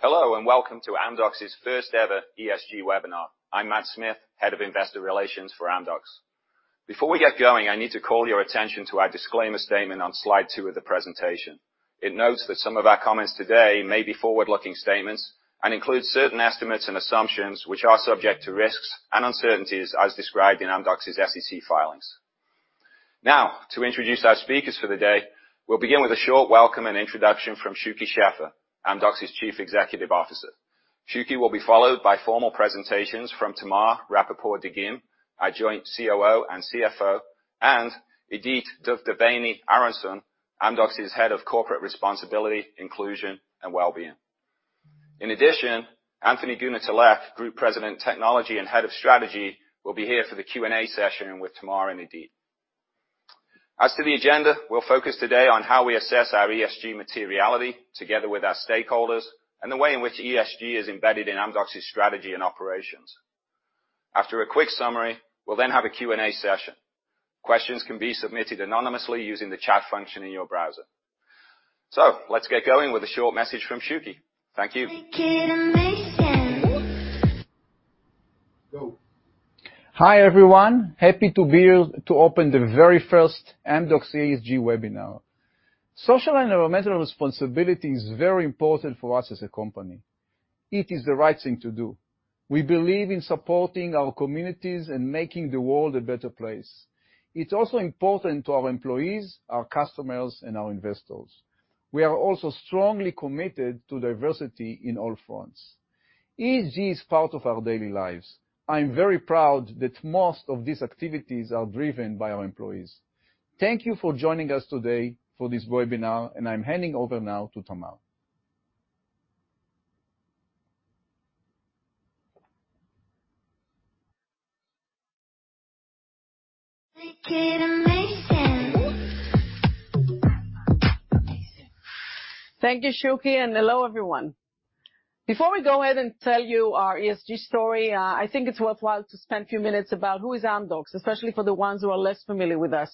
Hello, and welcome to Amdocs's First Ever ESG Webinar. I'm Matt Smith, Head of Investor Relations for Amdocs. Before we get going, I need to call your attention to our disclaimer statement on slide two of the presentation. It notes that some of our comments today may be forward-looking statements and include certain estimates and assumptions which are subject to risks and uncertainties as described in Amdocs' SEC filings. Now, to introduce our speakers for the day, we'll begin with a short welcome and introduction from Shuky Sheffer, Amdocs' Chief Executive Officer. Shuky will be followed by formal presentations from Tamar Rapaport-Dagim, our joint COO and CFO, and Idit Duvdevany-Aronsohn, Amdocs' Head of Corporate Responsibility, Inclusion, and Wellbeing. In addition, Anthony Goonetilleke, Group President, Technology, and Head of Strategy, will be here for the Q&A session with Tamar and Idit. As to the agenda, we'll focus today on how we assess our ESG materiality together with our stakeholders, and the way in which ESG is embedded in Amdocs' strategy and operations. After a quick summary, we'll then have a Q&A session. Questions can be submitted anonymously using the chat function in your browser. Let's get going with a short message from Shuky. Thank you. Go. Hi, everyone. Happy to be here to open the very first Amdocs ESG webinar. Social and environmental responsibility is very important for us as a company. It is the right thing to do. We believe in supporting our communities and making the world a better place. It's also important to our employees, our customers, and our investors. We are also strongly committed to diversity in all fronts. ESG is part of our daily lives. I'm very proud that most of these activities are driven by our employees. Thank you for joining us today for this webinar, and I'm handing over now to Tamar. Thank you, Shuky, and hello, everyone. Before we go ahead and tell you our ESG story, I think it's worthwhile to spend a few minutes about who is Amdocs, especially for the ones who are less familiar with us.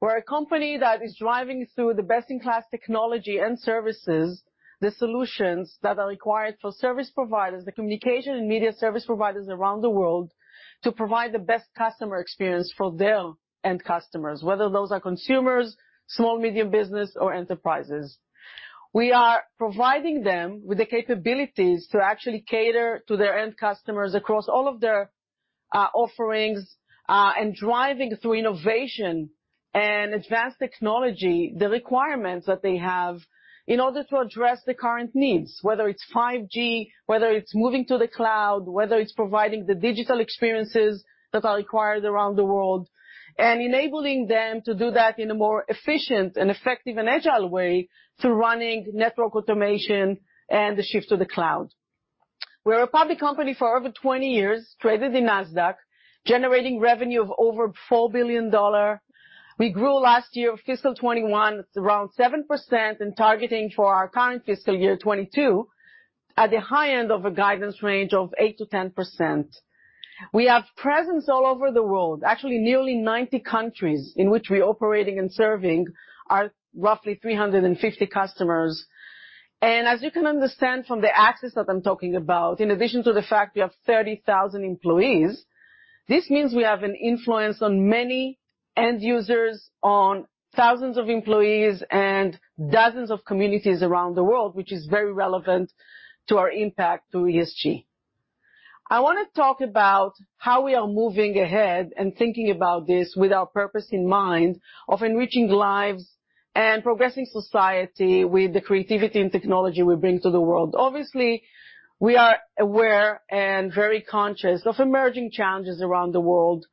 We're a company that is driving through the best-in-class technology and services, the solutions that are required for service providers, the communication and media service providers around the world to provide the best customer experience for their end customers, whether those are consumers, small/medium business, or enterprises. We are providing them with the capabilities to actually cater to their end customers across all of their offerings, and driving through innovation and advanced technology, the requirements that they have in order to address the current needs, whether it's 5G, whether it's moving to the cloud, whether it's providing the digital experiences that are required around the world, and enabling them to do that in a more efficient and effective and agile way through running network automation and the shift to the cloud. We're a public company for over 20 years, traded in Nasdaq, generating revenue of over $4 billion. We grew last year, fiscal 2021, it's around 7% and targeting for our current fiscal year, 2022, at the high end of a guidance range of 8%-10%. We have presence all over the world. Actually, nearly 90 countries in which we're operating and serving our roughly 350 customers. As you can understand from the access that I'm talking about, in addition to the fact we have 30,000 employees, this means we have an influence on many end users, on thousands of employees, and dozens of communities around the world, which is very relevant to our impact to ESG. I wanna talk about how we are moving ahead and thinking about this with our purpose in mind of enriching lives and progressing society with the creativity and technology we bring to the world. Obviously, we are aware and very conscious of emerging challenges around the world,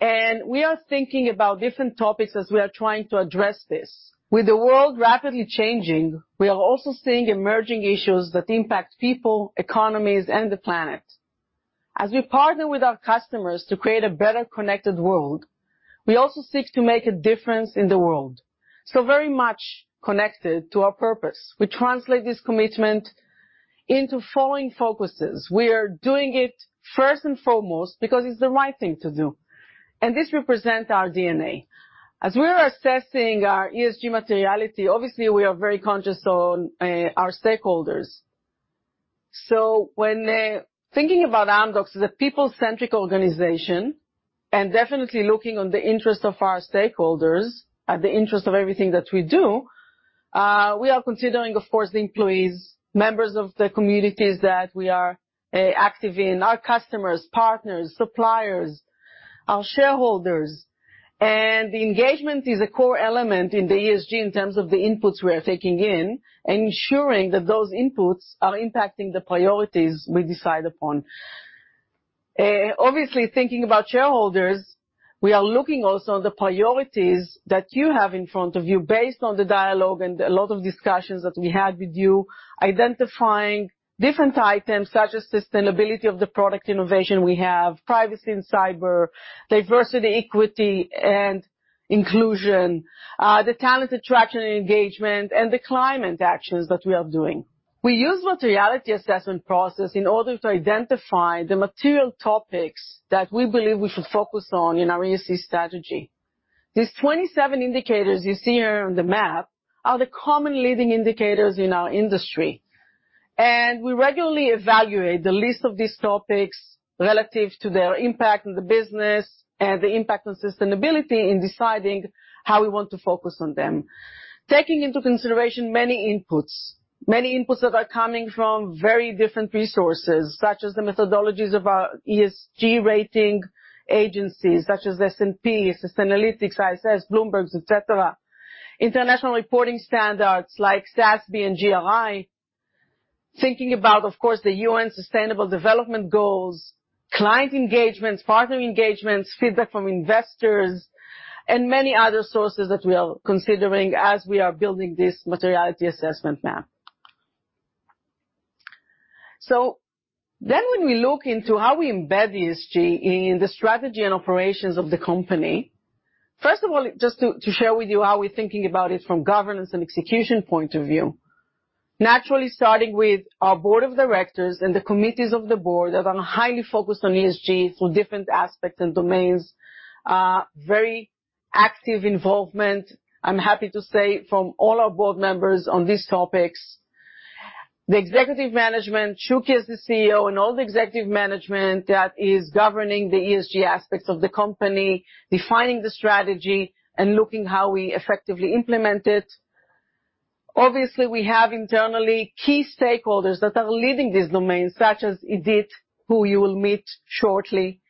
and we are thinking about different topics as we are trying to address this. With the world rapidly changing, we are also seeing emerging issues that impact people, economies, and the planet. As we partner with our customers to create a better connected world, we also seek to make a difference in the world, so very much connected to our purpose. We translate this commitment into following focuses. We are doing it first and foremost because it's the right thing to do, and this represent our DNA. As we are assessing our ESG materiality, obviously, we are very conscious on our stakeholders. When thinking about Amdocs as a people-centric organization and definitely looking on the interest of our stakeholders at the interest of everything that we do, we are considering, of course, the employees, members of the communities that we are active in, our customers, partners, suppliers, our shareholders. The engagement is a core element in the ESG in terms of the inputs we are taking in and ensuring that those inputs are impacting the priorities we decide upon. Obviously, thinking about shareholders, we are looking also on the priorities that you have in front of you based on the dialogue and a lot of discussions that we had with you, identifying different items such as sustainability of the product innovation we have, privacy and cyber, diversity, equity, and inclusion, the talent attraction and engagement, and the climate actions that we are doing. We use materiality assessment process in order to identify the material topics that we believe we should focus on in our ESG strategy. These 27 indicators you see here on the map are the common leading indicators in our industry. We regularly evaluate the list of these topics relative to their impact on the business and the impact on sustainability in deciding how we want to focus on them. Taking into consideration many inputs that are coming from very different resources, such as the methodologies of our ESG rating agencies, such as S&P, Sustainalytics, ISS, Bloomberg, et cetera. International reporting standards like SASB and GRI. Thinking about, of course, the UN Sustainable Development Goals, client engagements, partner engagements, feedback from investors, and many other sources that we are considering as we are building this materiality assessment map. When we look into how we embed ESG in the strategy and operations of the company, first of all, just to share with you how we're thinking about it from governance and execution point of view. Naturally, starting with our board of directors and the committees of the board that are highly focused on ESG through different aspects and domains. Very active involvement, I'm happy to say, from all our board members on these topics. The executive management, Shuky as the CEO, and all the executive management that is governing the ESG aspects of the company, defining the strategy, and looking how we effectively implement it. Obviously, we have internally key stakeholders that are leading these domains, such as Idit, who you will meet shortly.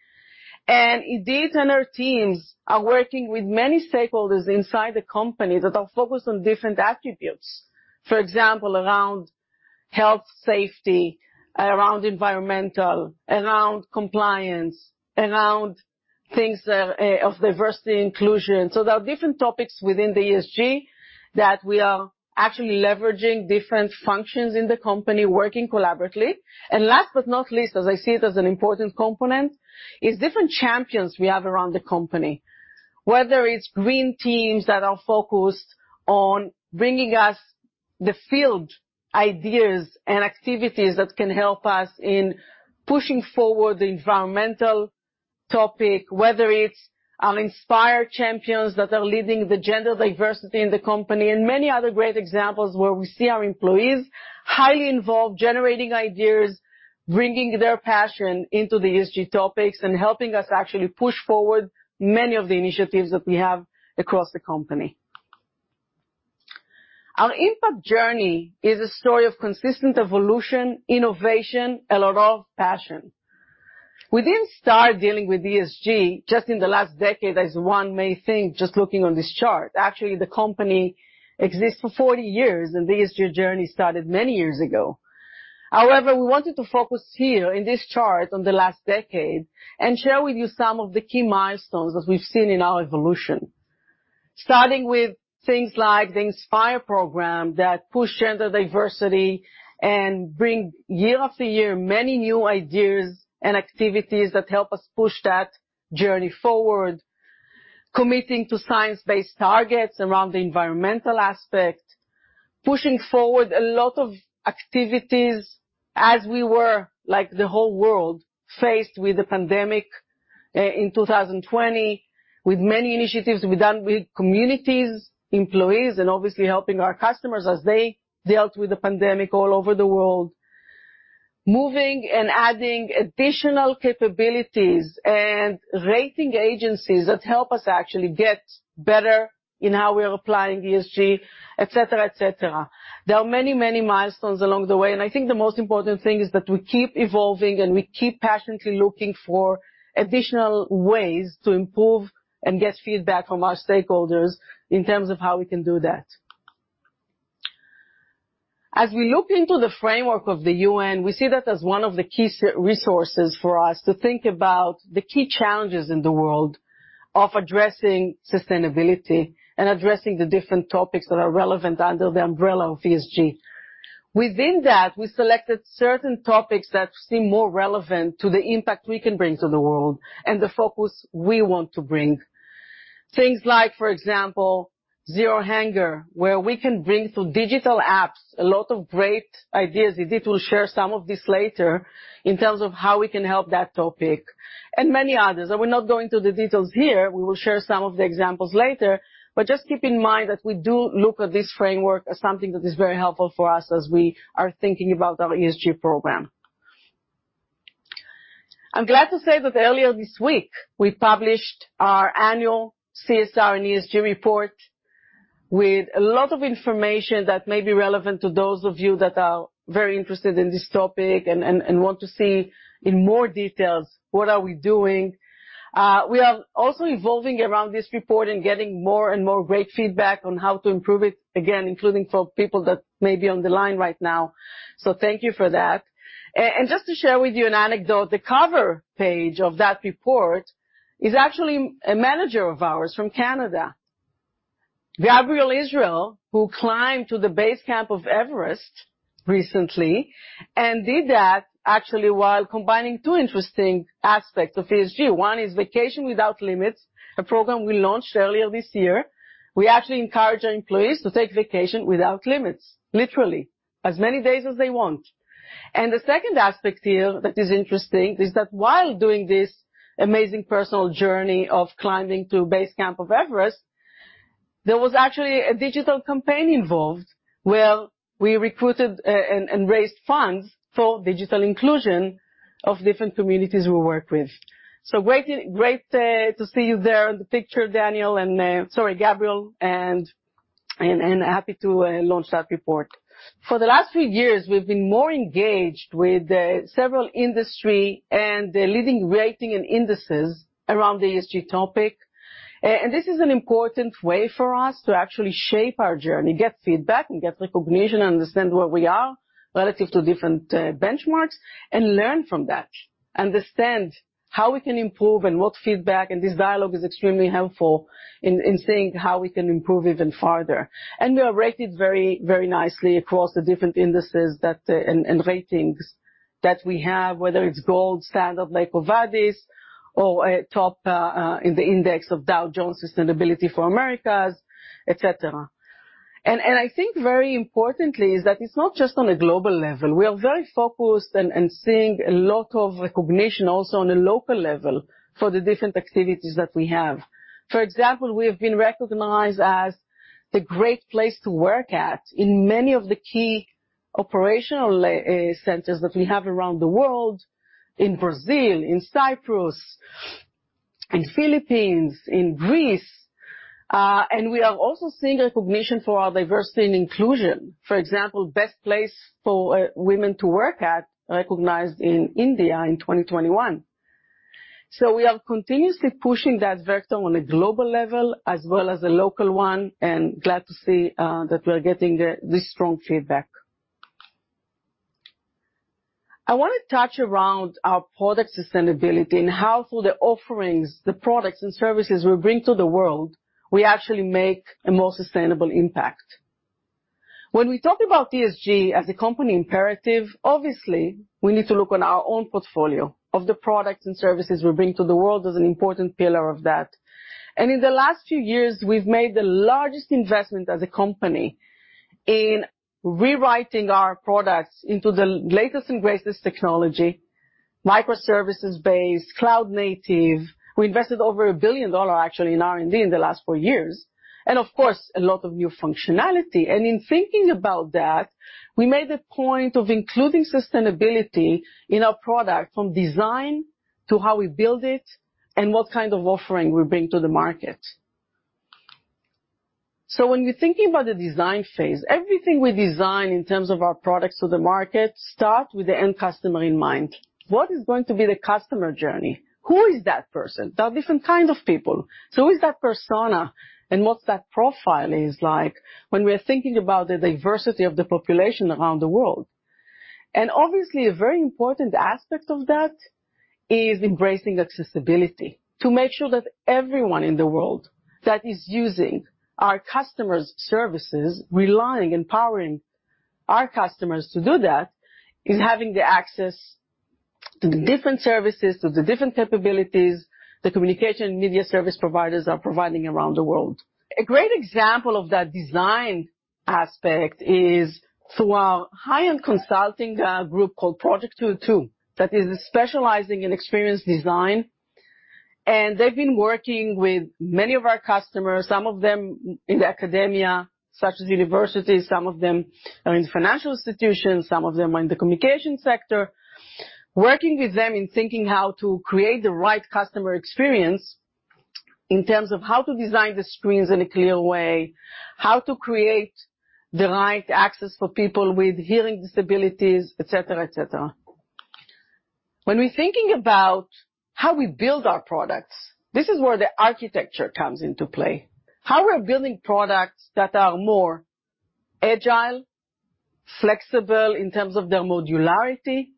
Idit and her teams are working with many stakeholders inside the company that are focused on different attributes. For example, around health safety, around environmental, around compliance, around things that of diversity inclusion. There are different topics within the ESG that we are actually leveraging different functions in the company, working collaboratively. Last but not least, as I see it as an important component, is different champions we have around the company. Whether it's green teams that are focused on bringing us the field ideas and activities that can help us in pushing forward the environmental topic, whether it's our Inspire champions that are leading the gender diversity in the company, and many other great examples where we see our employees highly involved, generating ideas, bringing their passion into the ESG topics, and helping us actually push forward many of the initiatives that we have across the company. Our impact journey is a story of consistent evolution, innovation, a lot of passion. We didn't start dealing with ESG just in the last decade, as one may think, just looking on this chart. Actually, the company exists for 40 years, and the ESG journey started many years ago. However, we wanted to focus here in this chart on the last decade and share with you some of the key milestones that we've seen in our evolution. Starting with things like the Inspire program that push gender diversity and bring year after year many new ideas and activities that help us push that journey forward. Committing to Science Based Targets around the environmental aspect. Pushing forward a lot of activities as we were, like the whole world, faced with the pandemic in 2020, with many initiatives we done with communities, employees, and obviously helping our customers as they dealt with the pandemic all over the world. Moving and adding additional capabilities and rating agencies that help us actually get better in how we are applying ESG, etc. There are many, many milestones along the way, and I think the most important thing is that we keep evolving, and we keep passionately looking for additional ways to improve and get feedback from our stakeholders in terms of how we can do that. As we look into the framework of the UN, we see that as one of the key resources for us to think about the key challenges in the world of addressing sustainability and addressing the different topics that are relevant under the umbrella of ESG. Within that, we selected certain topics that seem more relevant to the impact we can bring to the world and the focus we want to bring. Things like, for example, zero hunger, where we can bring through digital apps a lot of great ideas. Idit will share some of this later in terms of how we can help that topic and many others. I will not go into the details here. We will share some of the examples later, but just keep in mind that we do look at this framework as something that is very helpful for us as we are thinking about our ESG program. I'm glad to say that earlier this week, we published our annual CSR and ESG report with a lot of information that may be relevant to those of you that are very interested in this topic and want to see in more details what we are doing. We are also evolving around this report and getting more and more great feedback on how to improve it, again, including from people that may be on the line right now, so thank you for that. Just to share with you an anecdote, the cover page of that report is actually a manager of ours from Canada, Gabriel Israel, who climbed to the base camp of Everest recently and did that actually while combining two interesting aspects of ESG. One is Vacation without Limits, a program we launched earlier this year. We actually encourage our employees to take vacation without limits, literally. As many days as they want. The second aspect here that is interesting is that while doing this amazing personal journey of climbing to base camp of Everest, there was actually a digital campaign involved, where we recruited and raised funds for digital inclusion of different communities we work with. Great to see you there in the picture, Daniel and sorry, Gabriel, and happy to launch that report. For the last few years, we've been more engaged with several industries and the leading ratings and indices around the ESG topic. This is an important way for us to actually shape our journey, get feedback, and get recognition, understand where we are relative to different benchmarks, and learn from that. Understand how we can improve and what feedback, and this dialogue is extremely helpful in seeing how we can improve even farther. We are rated very, very nicely across the different indices that and ratings that we have, whether it's gold standard like EcoVadis or top in the index of Dow Jones Sustainability for Americas, et cetera. I think very importantly is that it's not just on a global level. We are very focused and seeing a lot of recognition also on a local level for the different activities that we have. For example, we have been recognized as a Great Place to Work in many of the key operational centers that we have around the world, in Brazil, in Cyprus, in the Philippines, in Greece, and we are also seeing recognition for our diversity and inclusion. For example, Best Place for Women to Work, recognized in India in 2021. We are continuously pushing that vector on a global level as well as a local one, and glad to see that we're getting this strong feedback. I want to touch on our product sustainability and how through the offerings, the products and services we bring to the world, we actually make a more sustainable impact. When we talk about ESG as a company imperative, obviously, we need to look on our own portfolio of the products and services we bring to the world as an important pillar of that. In the last few years, we've made the largest investment as a company in rewriting our products into the latest and greatest technology, micro-services-based, cloud native. We invested over $1 billion actually in R&D in the last four years, and of course, a lot of new functionality. In thinking about that, we made a point of including sustainability in our product from design to how we build it and what kind of offering we bring to the market. When you're thinking about the design phase, everything we design in terms of our products to the market start with the end customer in mind. What is going to be the customer journey? Who is that person? There are different kind of people. Who is that persona and what's that profile is like when we're thinking about the diversity of the population around the world? Obviously, a very important aspect of that is embracing accessibility to make sure that everyone in the world that is using our customers' services, relying and powering our customers to do that, is having the access to the different services, to the different capabilities the communication media service providers are providing around the world. A great example of that design aspect is through our high-end consulting group called Project 22, that is specializing in experience design, and they've been working with many of our customers, some of them in academia, such as universities, some of them are in financial institutions, some of them are in the communication sector, working with them in thinking how to create the right customer experience in terms of how to design the screens in a clear way, how to create the right access for people with hearing disabilities, et cetera, et cetera. When we're thinking about how we build our products, this is where the architecture comes into play. How we're building products that are more agile, flexible in terms of their modularity,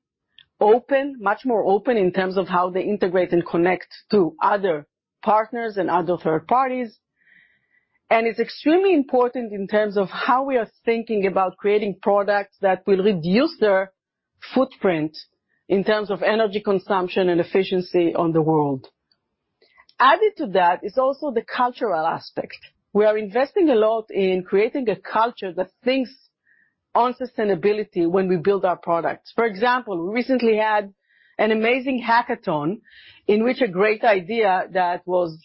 open, much more open in terms of how they integrate and connect to other partners and other third parties. It's extremely important in terms of how we are thinking about creating products that will reduce their footprint in terms of energy consumption and efficiency on the world. Added to that is also the cultural aspect. We are investing a lot in creating a culture that thinks on sustainability when we build our products. For example, we recently had an amazing hackathon in which a great idea that was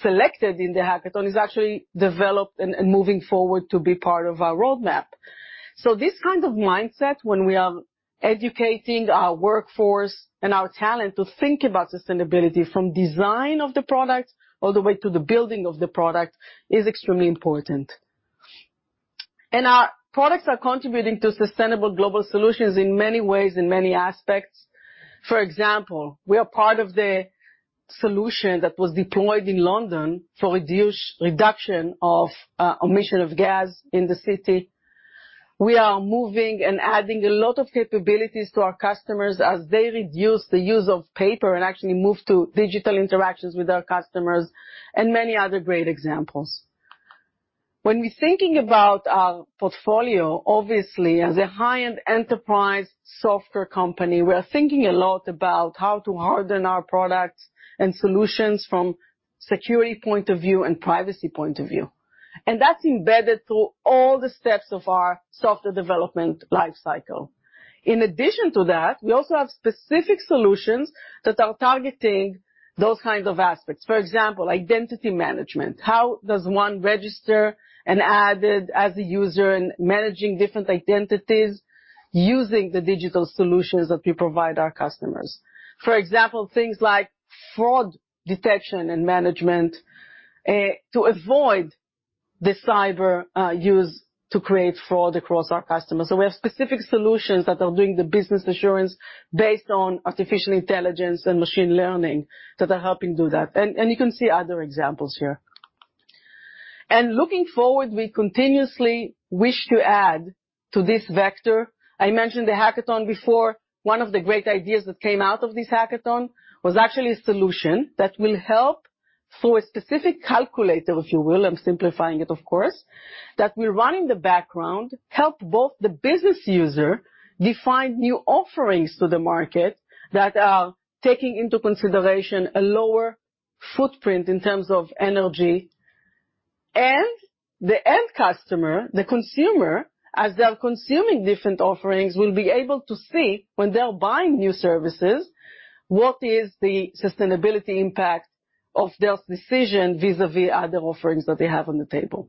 selected in the hackathon is actually developed and moving forward to be part of our roadmap. This kind of mindset when we are educating our workforce and our talent to think about sustainability from design of the product all the way to the building of the product is extremely important. Our products are contributing to sustainable global solutions in many ways, in many aspects. For example, we are part of the solution that was deployed in London for reduction of emission of gas in the city. We are moving and adding a lot of capabilities to our customers as they reduce the use of paper and actually move to digital interactions with our customers and many other great examples. When we're thinking about our portfolio, obviously, as a high-end enterprise software company, we are thinking a lot about how to harden our products and solutions from security point of view and privacy point of view. That's embedded through all the steps of our software development life cycle. In addition to that, we also have specific solutions that are targeting those kinds of aspects. For example, identity management. How does one register and added as a user in managing different identities using the digital solutions that we provide our customers? For example, things like fraud detection and management to avoid the cyber used to create fraud across our customers. We have specific solutions that are doing the business assurance based on artificial intelligence and machine learning that are helping do that. You can see other examples here. Looking forward, we continuously wish to add to this vector. I mentioned the hackathon before. One of the great ideas that came out of this hackathon was actually a solution that will help through a specific calculator, if you will, I'm simplifying it, of course, that will run in the background, help both the business user define new offerings to the market that are taking into consideration a lower footprint in terms of energy. The end customer, the consumer, as they're consuming different offerings, will be able to see when they are buying new services, what is the sustainability impact of their decision vis-à-vis other offerings that they have on the table.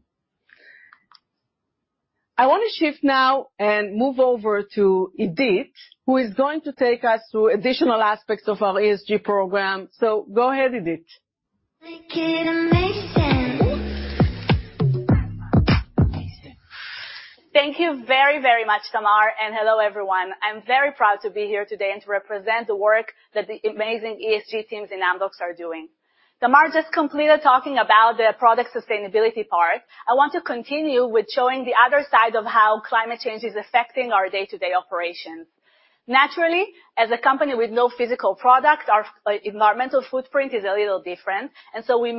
I want to shift now and move over to Idit, who is going to take us through additional aspects of our ESG program. Go ahead, Idit. Thank you very, very much, Tamar, and hello, everyone. I'm very proud to be here today and to represent the work that the amazing ESG teams in Amdocs are doing. Tamar just completed talking about the product sustainability part. I want to continue with showing the other side of how climate change is affecting our day-to-day operations. Naturally, as a company with no physical product, our environmental footprint is a little different, and so we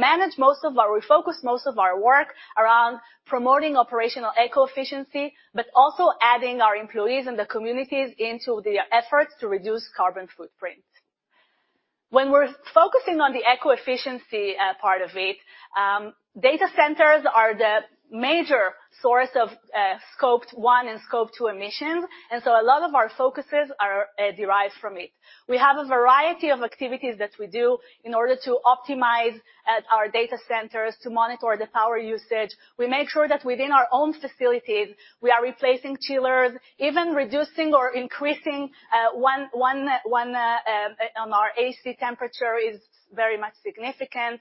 focus most of our work around promoting operational eco-efficiency, but also adding our employees and the communities into the efforts to reduce carbon footprint. When we're focusing on the eco-efficiency part of it, data centers are the major source of Scope 1 and Scope 2 emissions, and so a lot of our focuses are derived from it. We have a variety of activities that we do in order to optimize at our data centers to monitor the power usage. We make sure that within our own facilities, we are replacing chillers, even reducing or increasing one, our AC temperature is very much significant.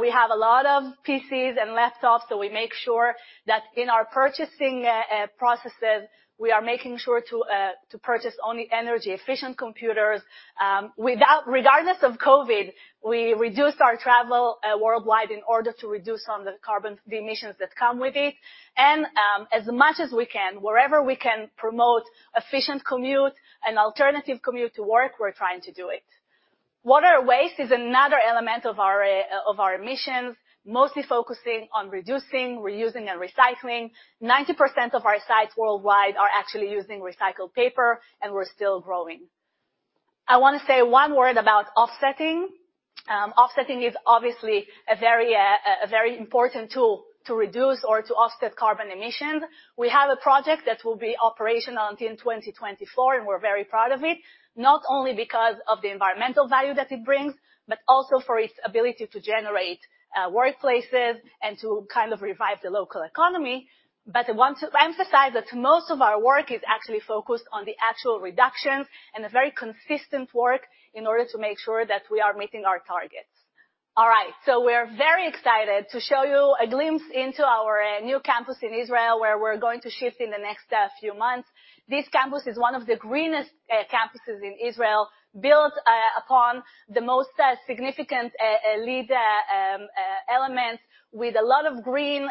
We have a lot of PCs and laptops, so we make sure that in our purchasing processes, we are making sure to purchase only energy-efficient computers. Without—regardless of COVID, we reduced our travel worldwide in order to reduce the emissions that come with it. As much as we can, wherever we can promote efficient commute and alternative commute to work, we're trying to do it. Water waste is another element of our emissions, mostly focusing on reducing, reusing, and recycling. 90% of our sites worldwide are actually using recycled paper, and we're still growing. I wanna say one word about offsetting. Offsetting is obviously a very a very important tool to reduce or to offset carbon emissions. We have a project that will be operational until 2024, and we're very proud of it, not only because of the environmental value that it brings, but also for its ability to generate workplaces and to kind of revive the local economy. I want to emphasize that most of our work is actually focused on the actual reductions and a very consistent work in order to make sure that we are meeting our targets. All right, we're very excited to show you a glimpse into our new campus in Israel, where we're going to shift in the next few months. This campus is one of the greenest campuses in Israel, built upon the most significant LEED elements, with a lot of green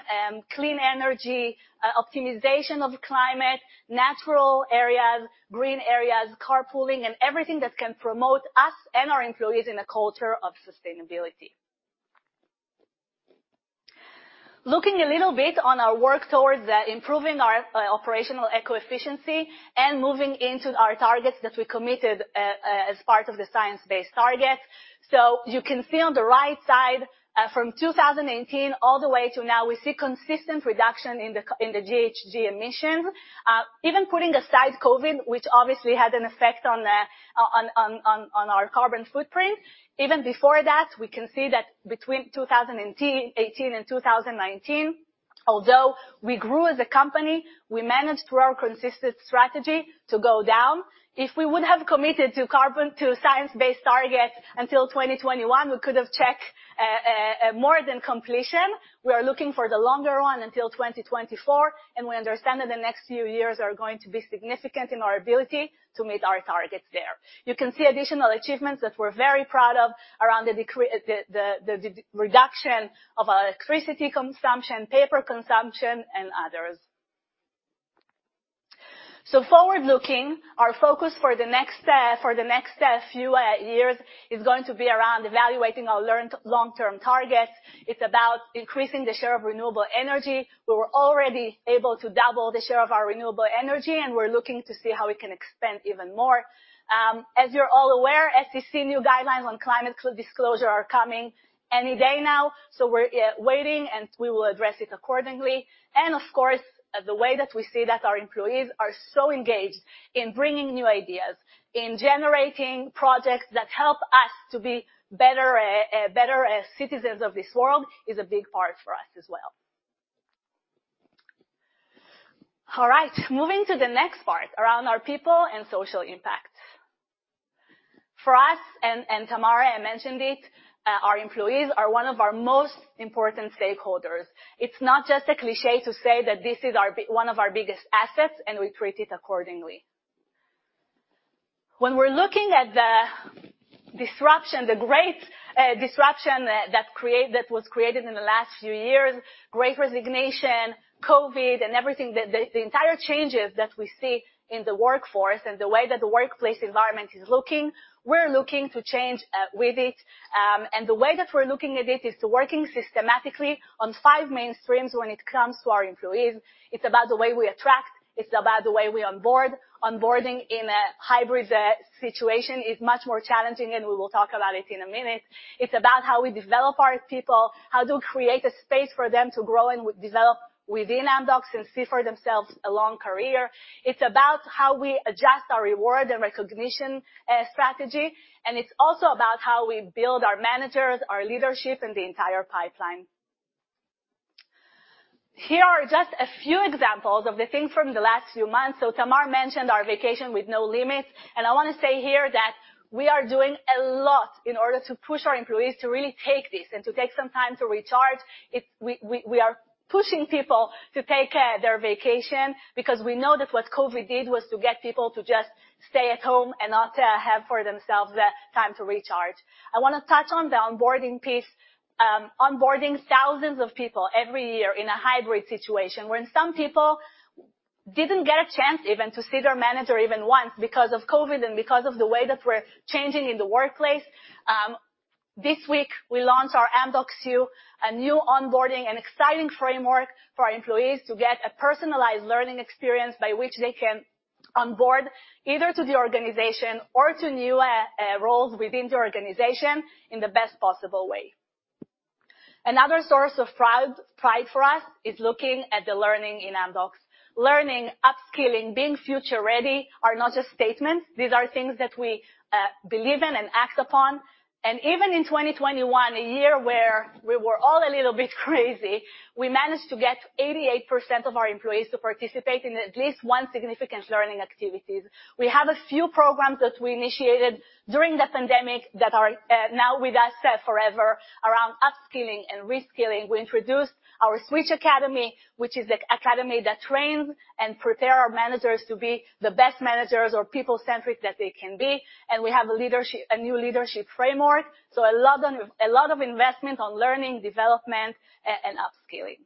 clean energy, optimization of climate, natural areas, green areas, carpooling, and everything that can promote us and our employees in a culture of sustainability. Looking a little bit on our work towards improving our operational eco-efficiency and moving into our targets that we committed as part of the Science Based Targets. You can see on the right side, from 2018 all the way to now, we see consistent reduction in the GHG emissions. Even putting aside COVID, which obviously had an effect on our carbon footprint, even before that, we can see that between 2018 and 2019, although we grew as a company, we managed through our consistent strategy to go down. If we would have committed to Science Based Targets until 2021, we could have achieved more than completion. We are looking for the longer one until 2024, and we understand that the next few years are going to be significant in our ability to meet our targets there. You can see additional achievements that we're very proud of around the reduction of our electricity consumption, paper consumption, and others. Forward-looking, our focus for the next few years is going to be around evaluating our long-term targets. It's about increasing the share of renewable energy. We were already able to double the share of our renewable energy, and we're looking to see how we can expand even more. As you're all aware, SEC new guidelines on climate disclosure are coming any day now, so we're waiting, and we will address it accordingly. Of course, the way that we see that our employees are so engaged in bringing new ideas, in generating projects that help us to be better citizens of this world is a big part for us as well. All right, moving to the next part, around our people and social impact. For us, and Tamar, I mentioned it, our employees are one of our most important stakeholders. It's not just a cliché to say that this is one of our biggest assets, and we treat it accordingly. When we're looking at the disruption, the great disruption that was created in the last few years, great resignation, COVID, and everything, the entire changes that we see in the workforce and the way that the workplace environment is looking, we're looking to change with it. The way that we're looking at it is to working systematically on five main streams when it comes to our employees. It's about the way we attract, it's about the way we onboard. Onboarding in a hybrid situation is much more challenging, and we will talk about it in a minute. It's about how we develop our people, how to create a space for them to grow and develop within Amdocs and see for themselves a long career. It's about how we adjust our reward and recognition strategy, and it's also about how we build our managers, our leadership, and the entire pipeline. Here are just a few examples of the things from the last few months. Tamar mentioned our vacation with no limits, and I wanna say here that we are doing a lot in order to push our employees to really take this and to take some time to recharge. We are pushing people to take their vacation because we know that what COVID did was to get people to just stay at home and not have for themselves the time to recharge. I wanna touch on the onboarding piece. Onboarding thousands of people every year in a hybrid situation, when some people didn't get a chance even to see their manager even once because of COVID and because of the way that we're changing in the workplace. This week we launched our Amdocs U, a new onboarding and exciting framework for our employees to get a personalized learning experience by which they can onboard either to the organization or to new roles within the organization in the best possible way. Another source of pride for us is looking at the learning in Amdocs. Learning, upskilling, being future-ready are not just statements. These are things that we believe in and act upon. Even in 2021, a year where we were all a little bit crazy, we managed to get 88% of our employees to participate in at least one significant learning activities. We have a few programs that we initiated during the pandemic that are now with us forever around upskilling and reskilling. We introduced our Switch Academy, which is a academy that trains and prepare our managers to be the best managers or people-centric that they can be, and we have a new leadership framework. A lot of investment on learning, development, and upskilling.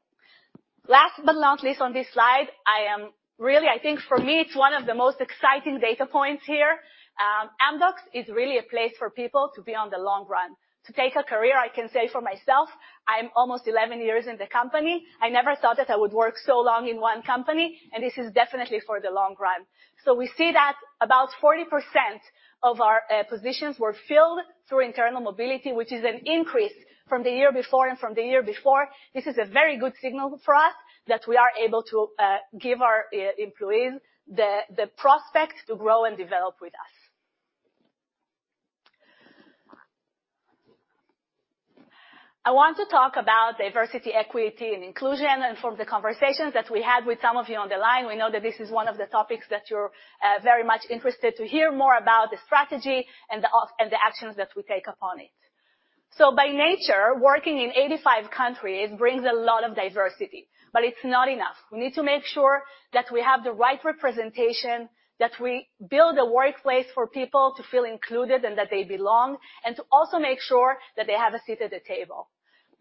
Last but not least on this slide, I really think for me, it's one of the most exciting data points here. Amdocs is really a place for people to be in the long run. To take a career, I can say for myself, I'm almost 11 years in the company. I never thought that I would work so long in one company, and this is definitely for the long run. We see that about 40% of our positions were filled through internal mobility, which is an increase from the year before and from the year before. This is a very good signal for us that we are able to give our employees the prospects to grow and develop with us. I want to talk about diversity, equity, and inclusion, and from the conversations that we had with some of you on the line, we know that this is one of the topics that you're very much interested to hear more about the strategy and the actions that we take upon it. By nature, working in 85 countries brings a lot of diversity, but it's not enough. We need to make sure that we have the right representation, that we build a workplace for people to feel included, and that they belong, and to also make sure that they have a seat at the table.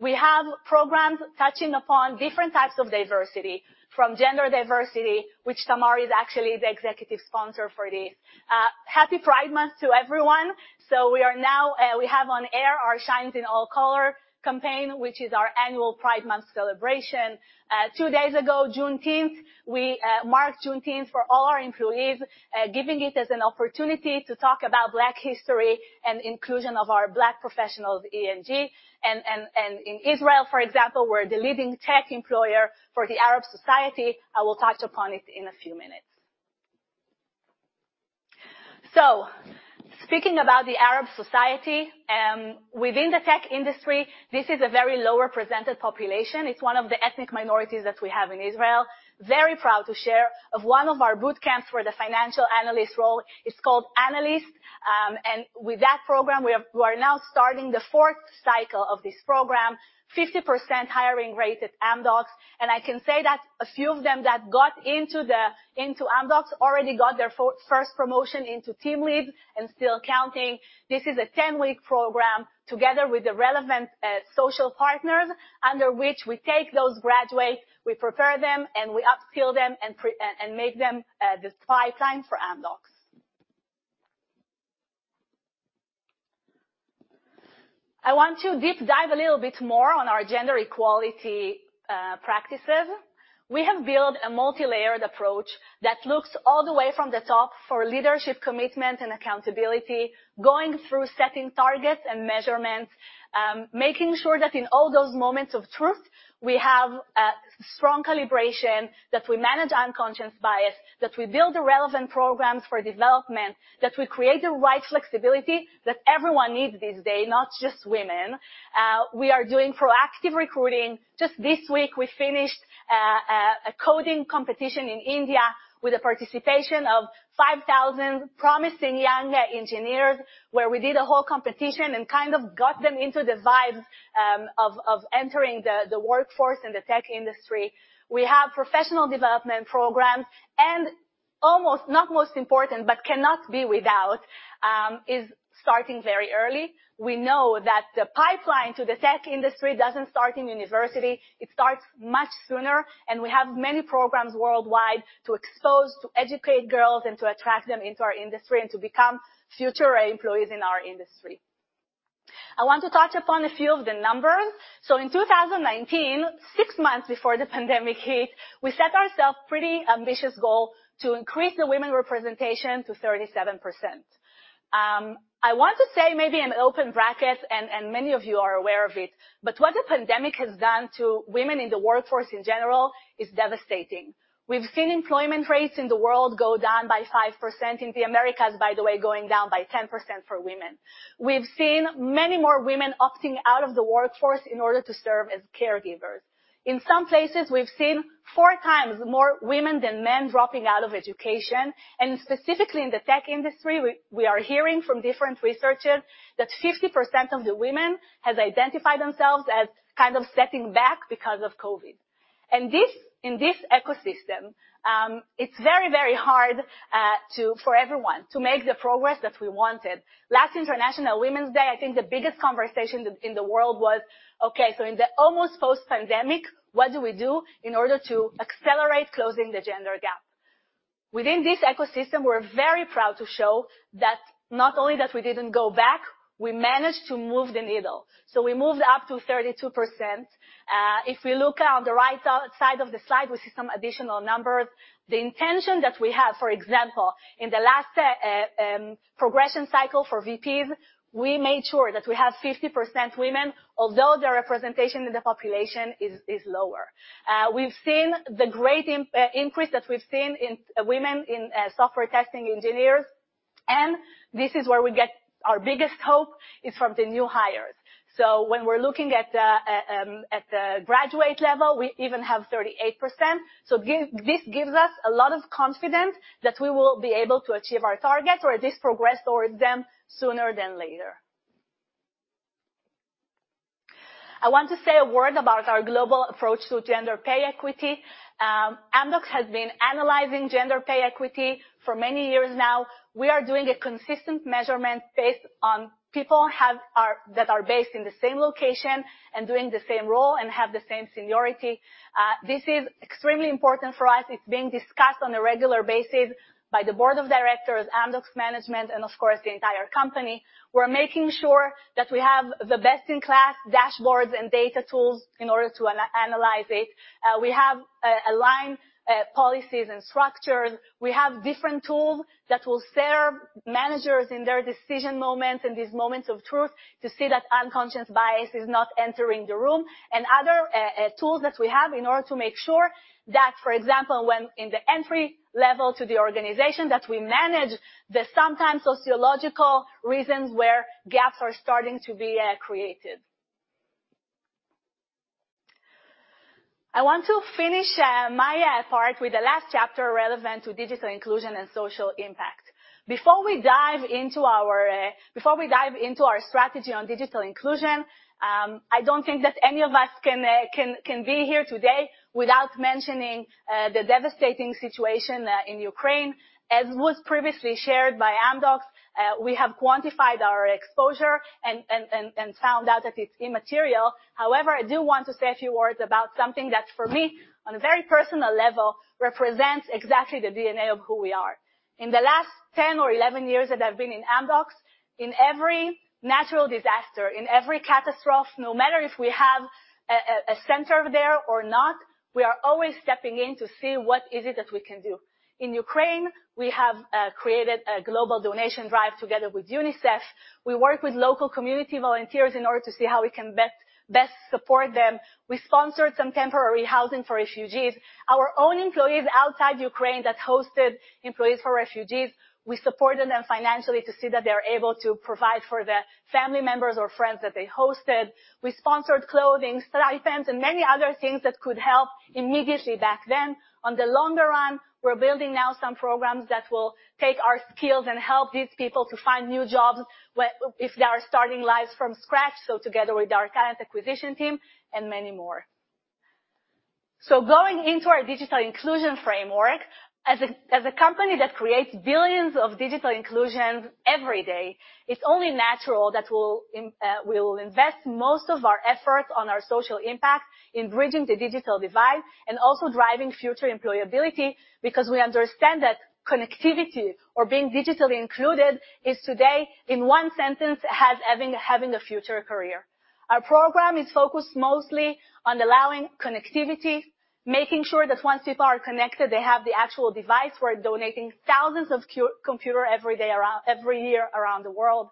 We have programs touching upon different types of diversity, from gender diversity, which Tamar is actually the executive sponsor for this. Happy Pride Month to everyone. We have on air our Shine in All Colors campaign, which is our annual Pride Month celebration. Two days ago, Juneteenth, we marked Juneteenth for all our employees, giving it as an opportunity to talk about Black history and inclusion of our Black professionals, ENG. In Israel, for example, we're the leading tech employer for the Arab society. I will touch upon it in a few minutes. Speaking about the Arab society within the tech industry, this is a very less represented population. It's one of the ethnic minorities that we have in Israel. Very proud to share one of our boot camps for the financial analyst role. It's called Analyst. With that program, we are now starting the fourth cycle of this program, 50% hiring rate at Amdocs, and I can say that a few of them that got into Amdocs already got their first promotion into team lead and still counting. This is a 10-week program together with the relevant social partners, under which we take those graduates, we prepare them, and we upskill them, and make them the pipeline for Amdocs. I want to deep dive a little bit more on our gender equality practices. We have built a multilayered approach that looks all the way from the top for leadership commitment and accountability, going through setting targets and measurements, making sure that in all those moments of truth, we have strong calibration, that we manage unconscious bias, that we build the relevant programs for development, that we create the right flexibility that everyone needs this day, not just women. We are doing proactive recruiting. Just this week, we finished a coding competition in India with the participation of 5,000 promising young engineers, where we did a whole competition and kind of got them into the vibes of entering the workforce in the tech industry. We have professional development programs, and almost, not most important, but cannot be without, is starting very early. We know that the pipeline to the tech industry doesn't start in university, it starts much sooner, and we have many programs worldwide to expose, to educate girls and to attract them into our industry and to become future employees in our industry. I want to touch upon a few of the numbers. In 2019, six months before the pandemic hit, we set ourselves pretty ambitious goal to increase the women representation to 37%. I want to say maybe in open brackets, and many of you are aware of it, but what the pandemic has done to women in the workforce in general is devastating. We've seen employment rates in the world go down by 5%. In the Americas, by the way, going down by 10% for women. We've seen many more women opting out of the workforce in order to serve as caregivers. In some places, we've seen four times more women than men dropping out of education, and specifically in the tech industry, we are hearing from different researchers that 50% of the women have identified themselves as kind of stepping back because of COVID. In this ecosystem, it's very, very hard for everyone to make the progress that we wanted. Last International Women's Day, I think the biggest conversation in the world was, okay, so in the almost post-pandemic, what do we do in order to accelerate closing the gender gap? Within this ecosystem, we're very proud to show that not only that we didn't go back, we managed to move the needle. We moved up to 32%. If we look on the right side of the slide, we see some additional numbers. The intention that we have, for example, in the last progression cycle for VPs, we made sure that we have 50% women, although their representation in the population is lower. We've seen the great increase that we've seen in women in software testing engineers, and this is where we get our biggest hope, is from the new hires. When we're looking at the graduate level, we even have 38%. This gives us a lot of confidence that we will be able to achieve our targets or this progress towards them sooner than later. I want to say a word about our global approach to gender pay equity. Amdocs has been analyzing gender pay equity for many years now. We are doing a consistent measurement based on people that are based in the same location and doing the same role and have the same seniority. This is extremely important for us. It's being discussed on a regular basis by the board of directors, Amdocs management, and of course, the entire company. We're making sure that we have the best-in-class dashboards and data tools in order to analyze it. We have aligned policies and structures. We have different tools that will serve managers in their decision moments, in these moments of truth, to see that unconscious bias is not entering the room. Other tools that we have in order to make sure that, for example, when in the entry level to the organization, that we manage the sometimes sociological reasons where gaps are starting to be created. I want to finish my part with the last chapter relevant to digital inclusion and social impact. Before we dive into our strategy on digital inclusion, I don't think that any of us can be here today without mentioning the devastating situation in Ukraine. As was previously shared by Amdocs, we have quantified our exposure and found out that it's immaterial. However, I do want to say a few words about something that, for me, on a very personal level, represents exactly the DNA of who we are. In the last 10 or 11 years that I've been in Amdocs, in every natural disaster, in every catastrophe, no matter if we have a center there or not, we are always stepping in to see what it is that we can do. In Ukraine, we have created a global donation drive together with UNICEF. We work with local community volunteers in order to see how we can best support them. We sponsored some temporary housing for refugees. Our own employees outside Ukraine that hosted refugees, we supported them financially to see that they are able to provide for the family members or friends that they hosted. We sponsored clothing, stipends, and many other things that could help immediately back then. In the long run, we're building now some programs that will take our skills and help these people to find new jobs if they are starting lives from scratch, together with our client acquisition team, and many more. Going into our digital inclusion framework, as a company that creates billions of digital inclusions every day, it's only natural that we will invest most of our efforts on our social impact in bridging the digital divide and also driving future employability, because we understand that connectivity or being digitally included is today, in one sentence, having a future career. Our program is focused mostly on allowing connectivity, making sure that once people are connected, they have the actual device. We're donating thousands of computers every year around the world.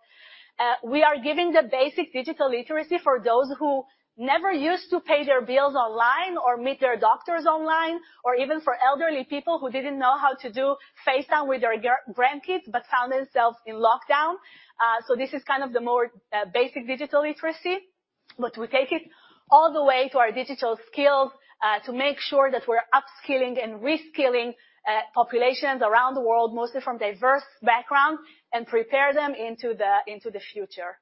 We are giving the basic digital literacy for those who never used to pay their bills online or meet their doctors online, or even for elderly people who didn't know how to do FaceTime with their grandkids but found themselves in lockdown. This is kind of the more basic digital literacy, but we take it all the way to our digital skills to make sure that we're upskilling and reskilling populations around the world, mostly from diverse backgrounds, and prepare them into the future.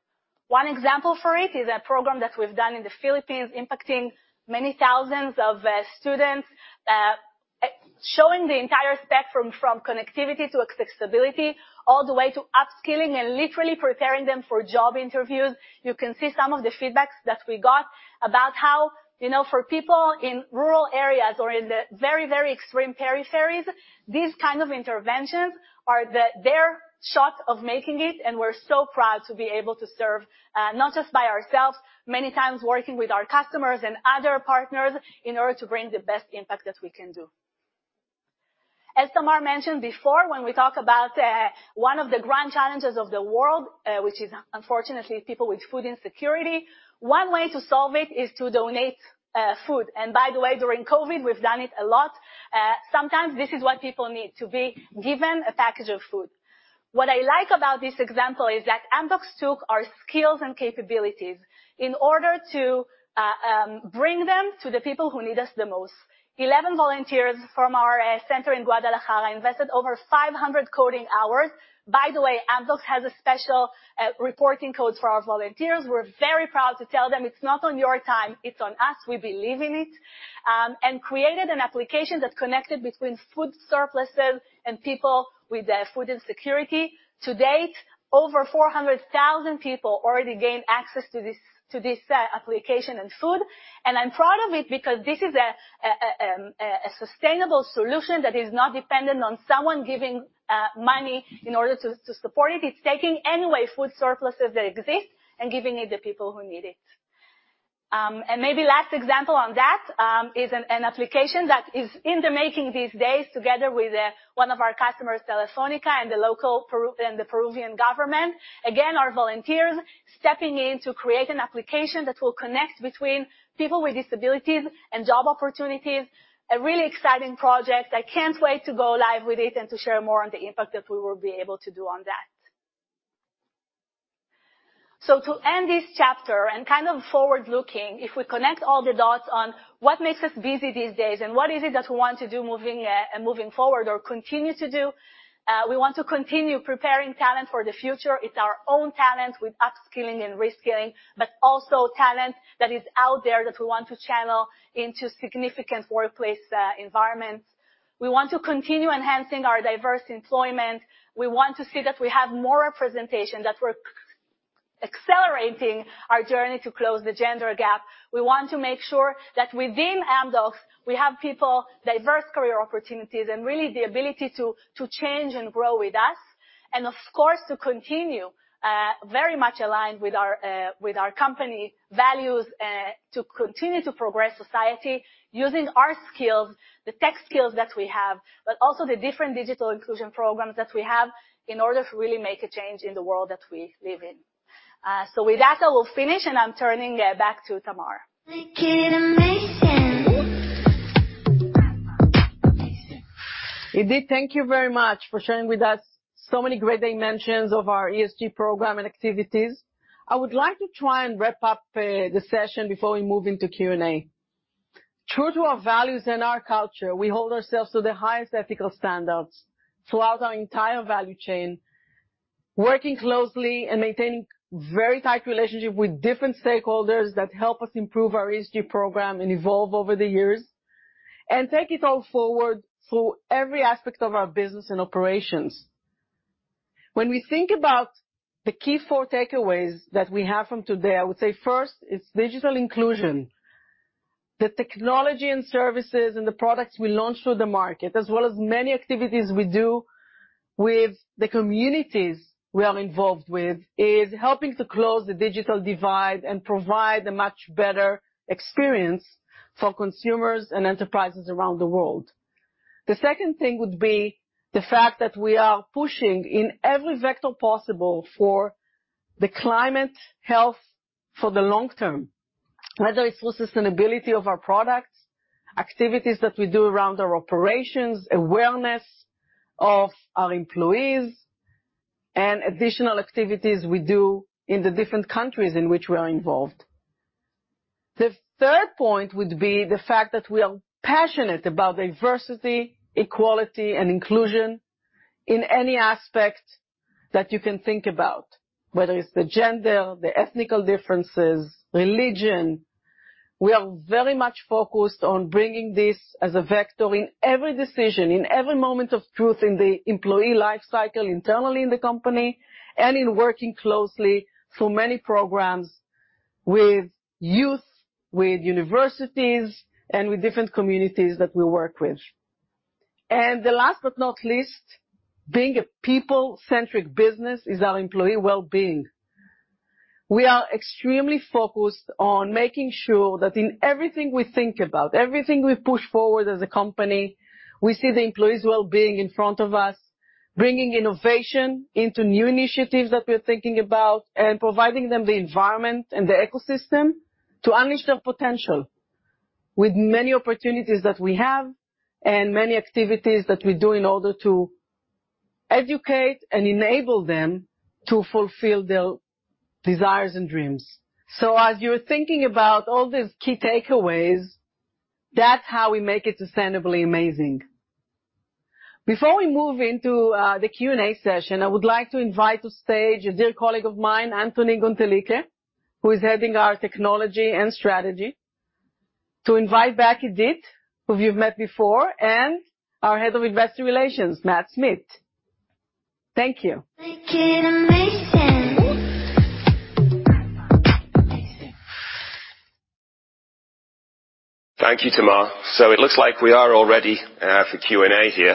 One example for it is a program that we've done in the Philippines impacting many thousands of students, showing the entire spectrum from connectivity to accessibility, all the way to upskilling and literally preparing them for job interviews. You can see some of the feedbacks that we got about how, you know, for people in rural areas or in the very, very extreme peripheries, these kind of interventions are their shot of making it, and we're so proud to be able to serve, not just by ourselves, many times, working with our customers and other partners in order to bring the best impact that we can do. As Tamar mentioned before, when we talk about one of the grand challenges of the world, which is unfortunately people with food insecurity, one way to solve it is to donate food. By the way, during COVID, we've done it a lot. Sometimes this is what people need, to be given a package of food. What I like about this example is that Amdocs took our skills and capabilities in order to bring them to the people who need us the most. 11 volunteers from our center in Guadalajara invested over 500 coding hours. By the way, Amdocs has a special reporting code for our volunteers. We're very proud to tell them, "It's not on your time, it's on us. We believe in it." And created an application that connected between food surpluses and people with food insecurity. To date, over 400,000 people already gained access to this application and food. I'm proud of it because this is a sustainable solution that is not dependent on someone giving money in order to support it. It's taking anyway food surpluses that exist and giving it the people who need it. Maybe last example on that is an application that is in the making these days together with one of our customers, Telefónica, and the local Peruvian government. Again, our volunteers stepping in to create an application that will connect between people with disabilities and job opportunities. A really exciting project. I can't wait to go live with it and to share more on the impact that we will be able to do on that. To end this chapter and kind of forward-looking, if we connect all the dots on what makes us busy these days and what is it that we want to do moving forward or continue to do, we want to continue preparing talent for the future. It's our own talent with upskilling and reskilling, but also talent that is out there that we want to channel into significant workplace environments. We want to continue enhancing our diverse employment. We want to see that we have more representation, that we're accelerating our journey to close the gender gap. We want to make sure that within Amdocs, we have people, diverse career opportunities, and really the ability to change and grow with us. Of course, to continue very much aligned with our company values to continue to progress society using our skills, the tech skills that we have, but also the different digital inclusion programs that we have in order to really make a change in the world that we live in. With that, I will finish, and I'm turning back to Tamar. Idit, thank you very much for sharing with us so many great dimensions of our ESG program and activities. I would like to try and wrap up the session before we move into Q&A. True to our values and our culture, we hold ourselves to the highest ethical standards throughout our entire value chain, working closely and maintaining very tight relationship with different stakeholders that help us improve our ESG program and evolve over the years, and take it all forward through every aspect of our business and operations. When we think about the key four takeaways that we have from today, I would say first, it's digital inclusion. The technology and services and the products we launch through the market, as well as many activities we do with the communities we are involved with, is helping to close the digital divide and provide a much better experience for consumers and enterprises around the world. The second thing would be the fact that we are pushing in every vector possible for the climate health for the long term, whether it's through sustainability of our products, activities that we do around our operations, awareness of our employees, and additional activities we do in the different countries in which we are involved. The third point would be the fact that we are passionate about diversity, equality, and inclusion in any aspect that you can think about, whether it's the gender, the ethnic differences, religion. We are very much focused on bringing this as a vector in every decision, in every moment of truth in the employee life cycle internally in the company, and in working closely through many programs with youth, with universities, and with different communities that we work with. The last but not least, being a people-centric business is our employee well-being. We are extremely focused on making sure that in everything we think about, everything we push forward as a company, we see the employees' well-being in front of us, bringing innovation into new initiatives that we're thinking about, and providing them the environment and the ecosystem to unleash their potential with many opportunities that we have and many activities that we do in order to educate and enable them to fulfill their desires and dreams. As you're thinking about all these key takeaways, that's how we make it sustainably amazing. Before we move into the Q&A session, I would like to invite to the stage a dear colleague of mine, Anthony Goonetilleke, who is heading our technology and strategy, to invite back Idit, who you've met before, and our Head of Investor Relations, Matt Smith. Thank you. Thank you, Tamar. It looks like we are all ready for Q&A here.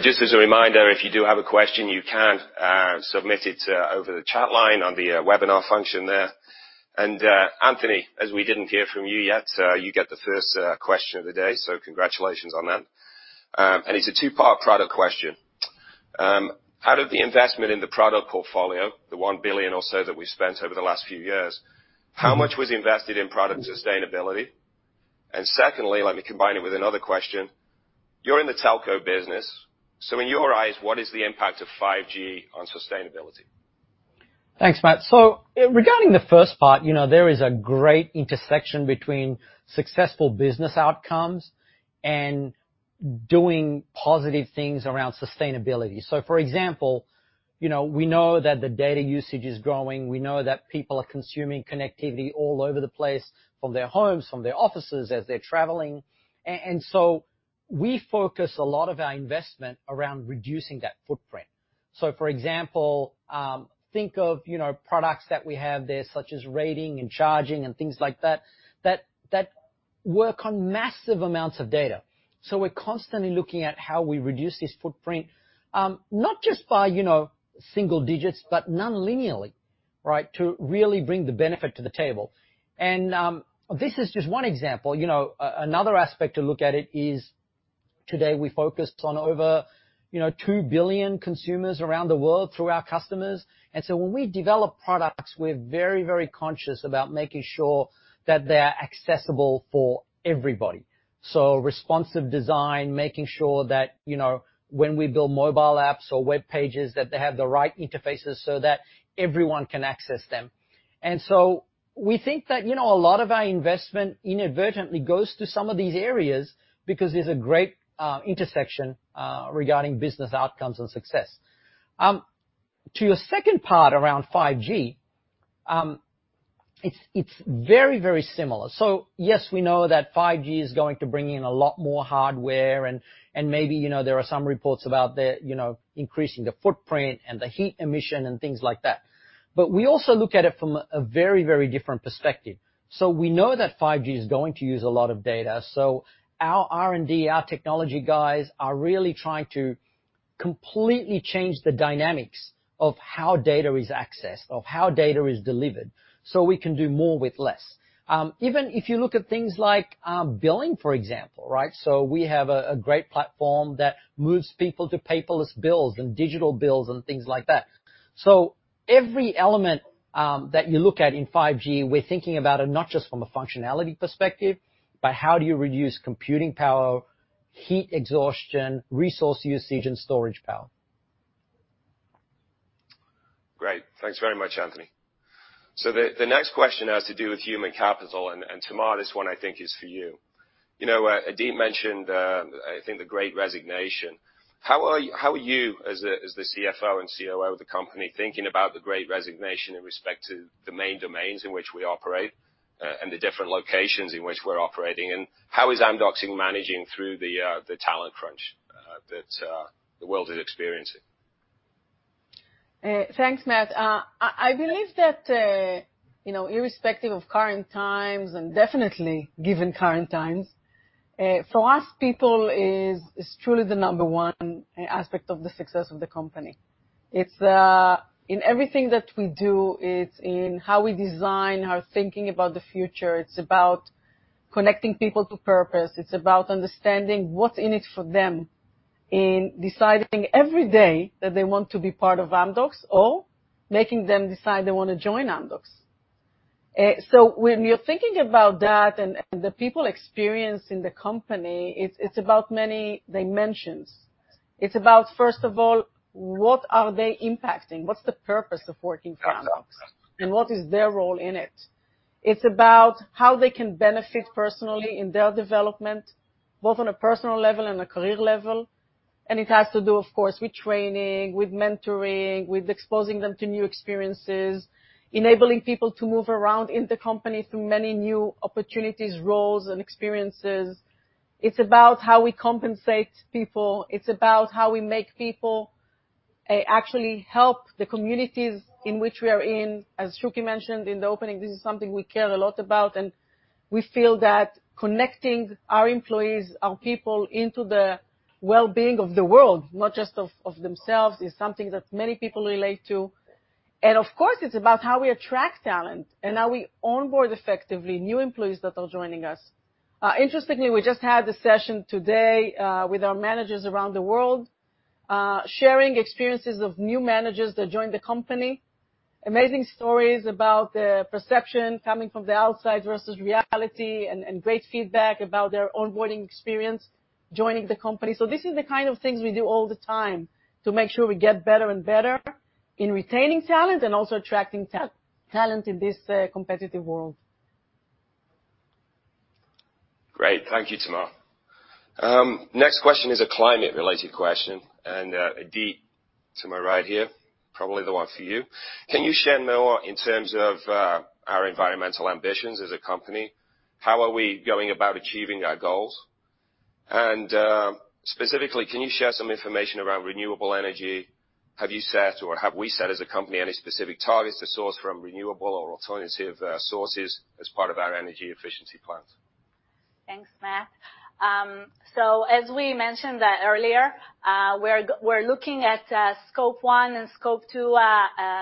Just as a reminder, if you do have a question, you can submit it over the chat line on the webinar function there. Anthony, as we didn't hear from you yet, you get the first question of the day, so congratulations on that. It's a two-part product question. Out of the investment in the product portfolio, the $1 billion or so that we've spent over the last few years, how much was invested in product sustainability? Secondly, let me combine it with another question. You're in the telco business, so in your eyes, what is the impact of 5G on sustainability? Thanks, Matt. Regarding the first part, you know, there is a great intersection between successful business outcomes and doing positive things around sustainability. For example, you know, we know that the data usage is growing. We know that people are consuming connectivity all over the place, from their homes, from their offices, as they're traveling. And so we focus a lot of our investment around reducing that footprint. For example, think of, you know, products that we have there, such as rating and charging and things like that work on massive amounts of data. We're constantly looking at how we reduce this footprint, not just by, you know, single digits, but non-linearly, right? To really bring the benefit to the table. This is just one example. You know, another aspect to look at it is today we focused on over, you know, 2 billion consumers around the world through our customers. When we develop products, we're very, very conscious about making sure that they're accessible for everybody. Responsive design, making sure that, you know, when we build mobile apps or web pages, that they have the right interfaces so that everyone can access them. We think that, you know, a lot of our investment inadvertently goes to some of these areas because there's a great intersection regarding business outcomes and success. To your second part around 5G, it's very, very similar. Yes, we know that 5G is going to bring in a lot more hardware and maybe, you know, there are some reports about the, you know, increasing the footprint and the heat emission and things like that. But we also look at it from a very different perspective. We know that 5G is going to use a lot of data, so our R&D, our technology guys are really trying to completely change the dynamics of how data is accessed, of how data is delivered, so we can do more with less. Even if you look at things like billing, for example, right? We have a great platform that moves people to paperless bills and digital bills and things like that. Every element that you look at in 5G, we're thinking about it not just from a functionality perspective, but how do you reduce computing power, heat exhaustion, resource usage, and storage power. Great. Thanks very much, Anthony. The next question has to do with human capital, and Tamar, this one I think is for you. You know, Idit mentioned, I think the Great Resignation. How are you as the CFO and COO of the company thinking about the Great Resignation in respect to the main domains in which we operate, and the different locations in which we're operating? How is Amdocs managing through the talent crunch that the world is experiencing? Thanks, Matt. I believe that, you know, irrespective of current times, and definitely given current times, for us, people is truly the number one aspect of the success of the company. It's in everything that we do. It's in how we design, our thinking about the future. It's about connecting people to purpose. It's about understanding what's in it for them in deciding every day that they want to be part of Amdocs, or making them decide they wanna join Amdocs. When you're thinking about that and the people experience in the company, it's about many dimensions. It's about, first of all, what are they impacting? What's the purpose of working for Amdocs? What is their role in it? It's about how they can benefit personally in their development, both on a personal level and a career level. It has to do, of course, with training, with mentoring, with exposing them to new experiences, enabling people to move around in the company through many new opportunities, roles, and experiences. It's about how we compensate people. It's about how we actually help the communities in which we are in. As Shuky mentioned in the opening, this is something we care a lot about, and we feel that connecting our employees, our people, into the well-being of the world, not just of themselves, is something that many people relate to. Of course, it's about how we attract talent and how we onboard effectively new employees that are joining us. Interestingly, we just had a session today with our managers around the world sharing experiences of new managers that joined the company. Amazing stories about the perception coming from the outside versus reality, and great feedback about their onboarding experience joining the company. This is the kind of things we do all the time to make sure we get better and better in retaining talent and also attracting talent in this competitive world. Great. Thank you, Tamar. Next question is a climate-related question, and Idit to my right here, probably the one for you. Can you share more in terms of our environmental ambitions as a company? How are we going about achieving our goals? And specifically, can you share some information around renewable energy? Have you set or have we set as a company any specific targets to source from renewable or alternative sources as part of our energy efficiency plans? Thanks, Matt. As we mentioned that earlier, we're looking at Scope 1 and Scope 2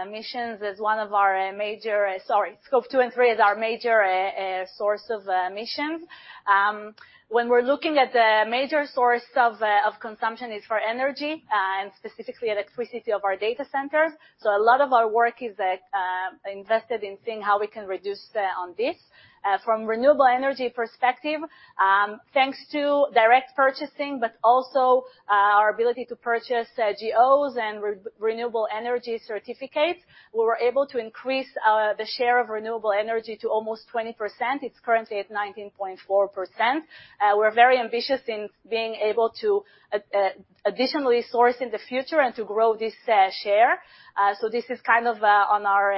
emissions as one of our major sources. Sorry, Scope 2 and Scope 3 is our major source of emissions. When we're looking at the major source of consumption is for energy and specifically electricity of our data centers. A lot of our work is invested in seeing how we can reduce on this. From renewable energy perspective, thanks to direct purchasing, but also our ability to purchase GOs and renewable energy certificates, we were able to increase the share of renewable energy to almost 20%. It's currently at 19.4%. We're very ambitious in being able to additionally source in the future and to grow this share. This is kind of on our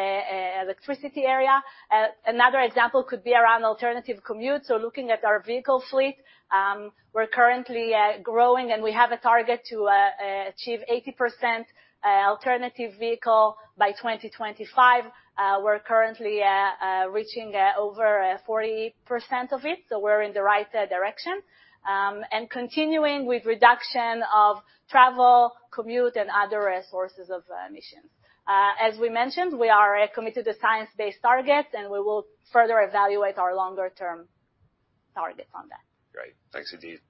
electricity area. Another example could be around alternative commutes or looking at our vehicle fleet. We're currently growing, and we have a target to achieve 80% alternative vehicle by 2025. We're currently at reaching over 40% of it, so we're in the right direction. Continuing with reduction of travel, commute, and other resources of emissions. As we mentioned, we are committed to Science Based Targets, and we will further evaluate our longer-term targets on that. Great. Thanks, Idit.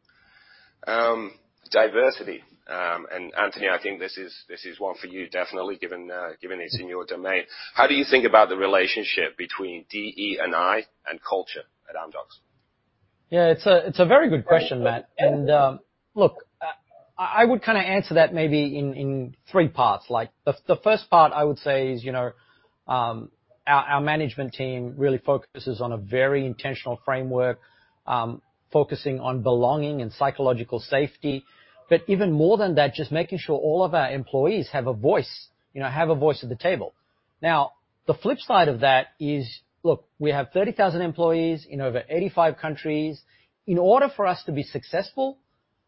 Diversity. Anthony, I think this is one for you definitely given it's in your domain. How do you think about the relationship between DE&I and culture at Amdocs? Yeah. It's a very good question, Matt. Look, I would kinda answer that maybe in three parts. Like, the first part I would say is, you know, our management team really focuses on a very intentional framework, focusing on belonging and psychological safety. Even more than that, just making sure all of our employees have a voice, you know, have a voice at the table. Now, the flip side of that is, look, we have 30,000 employees in over 85 countries. In order for us to be successful,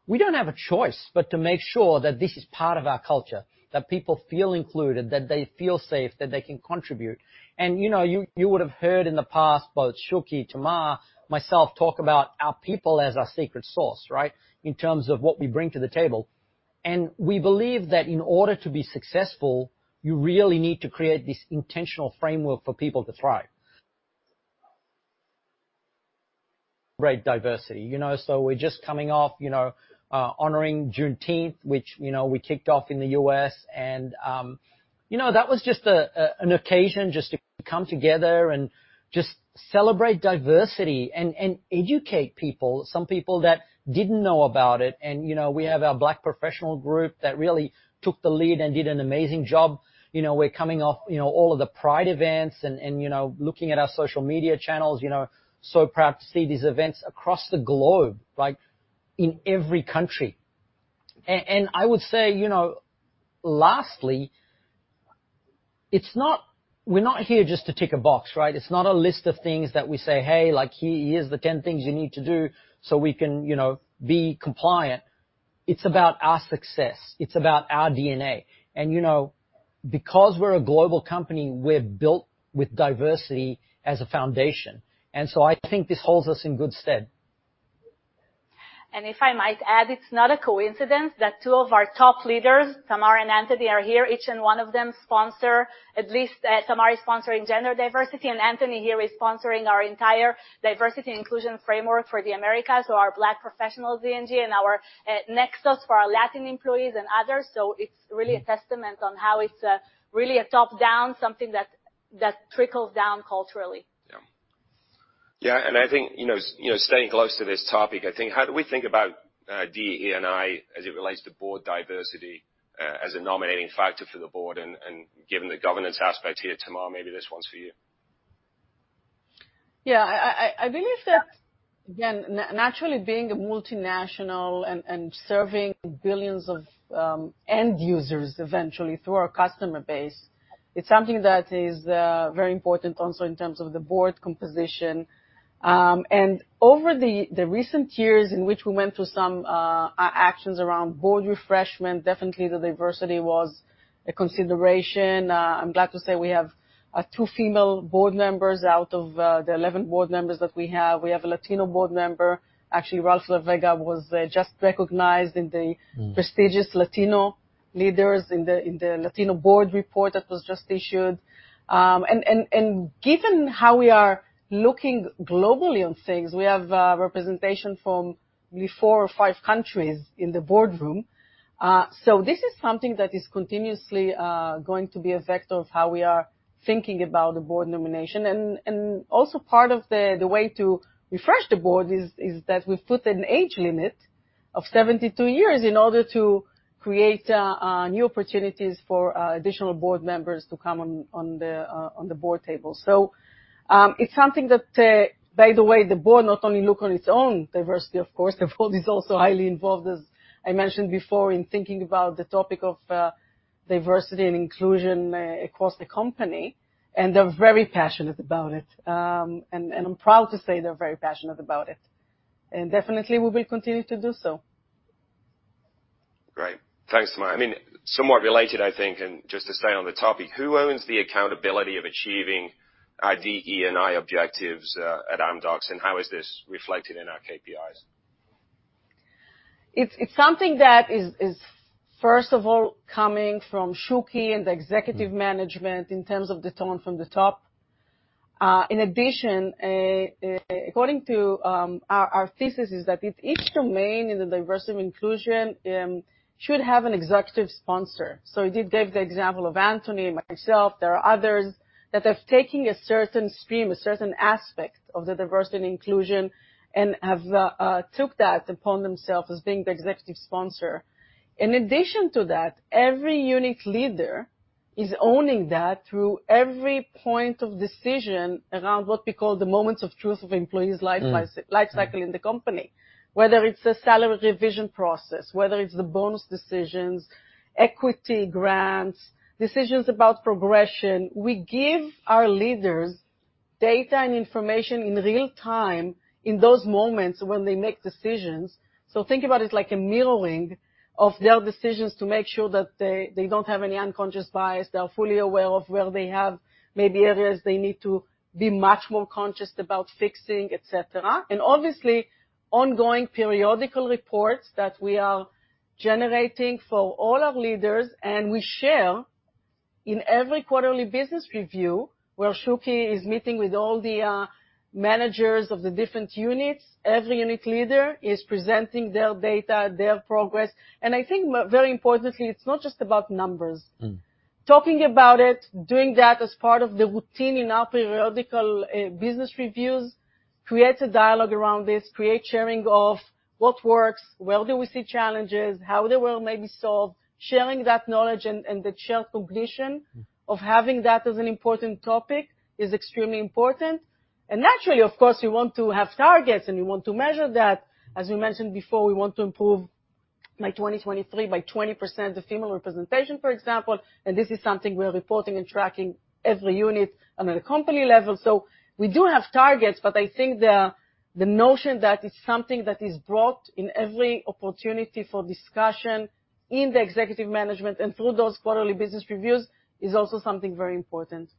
we don't have a choice but to make sure that this is part of our culture, that people feel included, that they feel safe, that they can contribute. You know, you would have heard in the past, both Shuky, Tamar, myself, talk about our people as our secret sauce, right? In terms of what we bring to the table. We believe that in order to be successful, you really need to create this intentional framework for people to thrive. Great diversity, you know. We're just coming off, you know, honoring Juneteenth, which, you know, we kicked off in the U.S. You know, that was just an occasion just to come together and just celebrate diversity and educate people, some people that didn't know about it. You know, we have our Black professional group that really took the lead and did an amazing job. You know, we're coming off, you know, all of the Pride events and you know, looking at our social media channels, you know, so proud to see these events across the globe, like, in every country. I would say, you know, lastly, it's not. We're not here just to tick a box, right? It's not a list of things that we say, "Hey, like, here's the 10 things you need to do so we can, you know, be compliant." It's about our success. It's about our DNA. You know, because we're a global company, we're built with diversity as a foundation. I think this holds us in good stead. If I might add, it's not a coincidence that two of our top leaders, Tamar and Anthony, are here. At least, Tamar is sponsoring gender diversity, and Anthony here is sponsoring our entire diversity and inclusion framework for the Americas, so our Black professionals ENG and our Nexus for our Latin employees and others. It's really a testament on how it's really a top-down something that trickles down culturally. Yeah. I think, you know, staying close to this topic, I think, how do we think about DE&I as it relates to board diversity, as a nominating factor for the board and given the governance aspect here? Tamar, maybe this one's for you. Yeah, I believe that, again, naturally being a multinational and serving billions of end users eventually through our customer base, it's something that is very important also in terms of the board composition. Over the recent years in which we went through some actions around board refreshment, definitely the diversity was a consideration. I'm glad to say we have two female board members out of the 11 board members that we have. We have a Latino board member. Actually, Ralph de la Vega was just recognized in the- Mm. Prestigious Latino leaders in the Latino Leaders Board Report that was just issued. Given how we are looking globally on things, we have representation from four or five countries in the boardroom. This is something that is continuously going to be a vector of how we are thinking about the board nomination. Also part of the way to refresh the board is that we've put an age limit of 72 years in order to create new opportunities for additional board members to come on the board table. It's something that, by the way, the board not only look on its own diversity, of course, the board is also highly involved, as I mentioned before, in thinking about the topic of diversity and inclusion across the company, and they're very passionate about it. And I'm proud to say they're very passionate about it. Definitely we will continue to do so. Great. Thanks, Tamar. I mean, somewhat related, I think, and just to stay on the topic, who owns the accountability of achieving DE&I objectives at Amdocs, and how is this reflected in our KPIs? It's something that is first of all coming from Shuky and the executive management in terms of the tone from the top. In addition, according to our thesis is that if each domain in the diversity and inclusion should have an executive sponsor. I did give the example of Anthony and myself. There are others that have taken a certain stream, a certain aspect of the diversity and inclusion and have took that upon themselves as being the executive sponsor. In addition to that, every unit leader is owning that through every point of decision around what we call the moments of truth of employees' life cy- Mm. Life cycle in the company, whether it's a salary revision process, whether it's the bonus decisions, equity grants, decisions about progression. We give our leaders data and information in real time in those moments when they make decisions. Think about it like a mirroring of their decisions to make sure that they don't have any unconscious bias, they are fully aware of where they have maybe areas they need to be much more conscious about fixing, et cetera. Obviously, ongoing periodical reports that we are generating for all our leaders, and we share in every quarterly business review where Shuky is meeting with all the managers of the different units. Every unit leader is presenting their data, their progress. I think very importantly, it's not just about numbers. Mm. Talking about it, doing that as part of the routine in our periodical business reviews creates a dialogue around this, create sharing of what works, where do we see challenges, how they will maybe solve, sharing that knowledge and the shared cognition. Mm. Of having that as an important topic is extremely important. Naturally, of course, you want to have targets and you want to measure that. As we mentioned before, we want to improve by 2023 by 20% the female representation, for example. This is something we are reporting and tracking every unit and at a company level. We do have targets, but I think the notion that it's something that is brought in every opportunity for discussion in the executive management and through those quarterly business reviews is also something very important.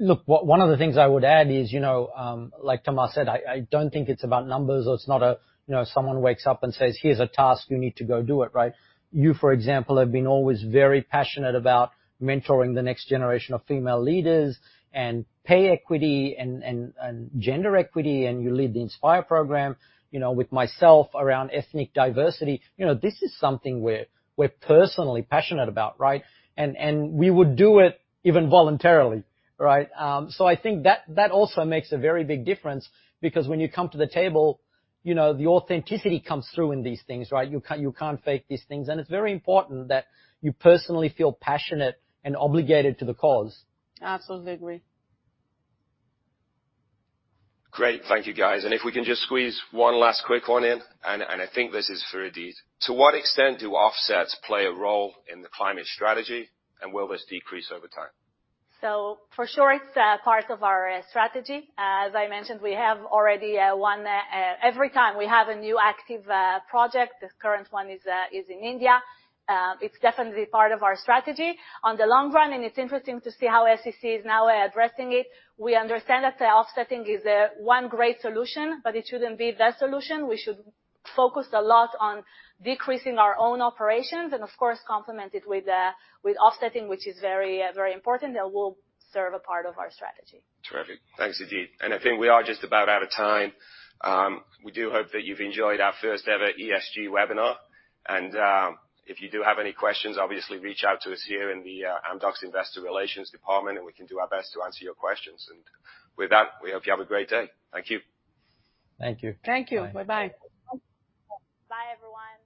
Look, one of the things I would add is, you know, like Tamar said, I don't think it's about numbers, or it's not a, you know, someone wakes up and says, "Here's a task. You need to go do it," right? You, for example, have been always very passionate about mentoring the next generation of female leaders and pay equity and gender equity, and you lead the Inspire program, you know, with myself around ethnic diversity. You know, this is something we're personally passionate about, right? We would do it even voluntarily, right? I think that also makes a very big difference because when you come to the table, you know, the authenticity comes through in these things, right? You can't fake these things. It's very important that you personally feel passionate and obligated to the cause. I absolutely agree. Great. Thank you, guys. If we can just squeeze one last quick one in, and I think this is for Idit. To what extent do offsets play a role in the climate strategy, and will this decrease over time? For sure, it's part of our strategy. As I mentioned, we have already won every time we have a new active project, the current one is in India, it's definitely part of our strategy. In the long run, it's interesting to see how SEC is now addressing it, we understand that the offsetting is one great solution, but it shouldn't be the solution. We should focus a lot on decreasing our own operations and of course, complement it with offsetting, which is very important. That will serve a part of our strategy. Terrific. Thanks, Idit. I think we are just about out of time. We do hope that you've enjoyed our first ever ESG webinar. If you do have any questions, obviously reach out to us here in the Amdocs Investor Relations Department, and we can do our best to answer your questions. With that, we hope you have a great day. Thank you. Thank you. Thank you. Bye-bye. Bye, everyone.